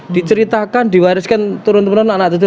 diceritakan diwariskan turun turun anak itu